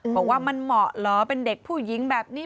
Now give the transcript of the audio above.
บอกว่ามันเหมาะเหรอเป็นเด็กผู้หญิงแบบนี้